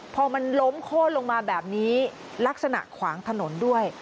พอมันล้มโค้นลงมาแบบนี้ลักษณะขวางถนนด้วย